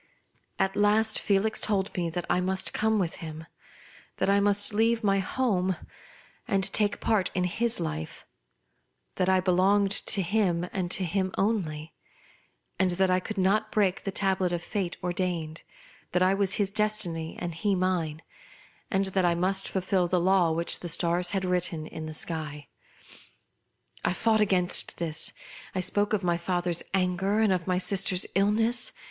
At last Felix told me that I must come with him; that I must leave my home, and take part in his life; that I belonged to him and to him only, and that I could not break the tablet of a fate ordained ; that I was his destiny, and he mine, and that I must fulfil the law which the stars had written in the sky. I fought against this. I spoke of my father's anger, and of my sister's illness.